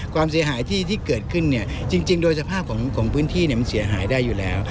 ความเสียหายที่เกิดขึ้นเนี่ยจริงโดยสภาพของพื้นที่มันเสียหายได้อยู่แล้ว